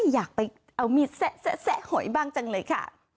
อยากไปเอามีดแซะหอยบ้างจังเลยค่ะ